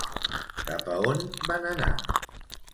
Cap a on van anar?